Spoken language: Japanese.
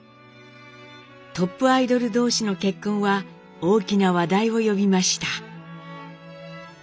トップアイドル同士の結婚は大きな話題を呼びました。